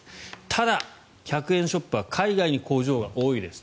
ただ、１００円ショップは海外に工場が多いです。